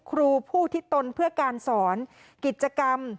ครูผู้ที่ตนเพื่อการสอนกิจกรรม